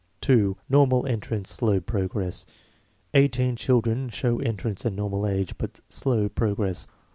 2. Normal entrance, slow progress. "Eighteen children show entrance at normal age, but slow progress.